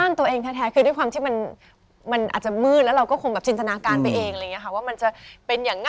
สวยตลอดจริง